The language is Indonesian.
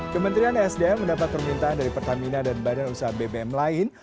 kementerian sdm mendapat permintaan dari pertamina dan badan usaha bbm lain